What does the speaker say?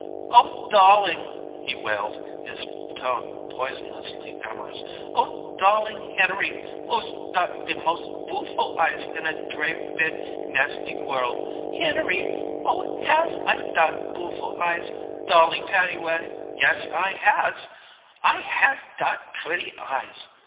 "Oh, dolling!" he wailed, his tone poisonously amorous. "Oh, dolling Henery! Oo's dot de mos' booful eyes in a dray bid nasty world. Henery! Oh, has I dot booful eyes, dolling Pattywatty? Yes, I has! I has dot pretty eyes!"